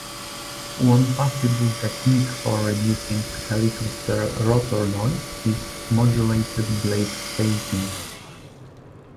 One possible technique for reducing helicopter rotor noise is "modulated blade spacing".